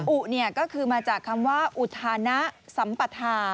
อุก็คือมาจากคำว่าอุทานะสัมปธา